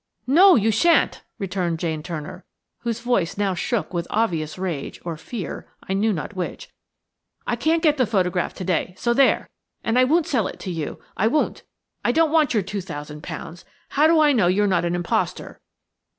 "No, you shan't!" retorted Jane Turner, whose voice now shook with obvious rage or fear–I knew not which. "I can't get the photograph to day–so there! And I won't sell it to you–I won't. I don't want your two thousand pounds. How do I know you are not an imposter?"